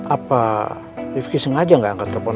apa rifki sengaja gak angkat telpon aku